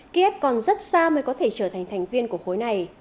kiev còn rất xa mới có thể trở thành thành viên của khối này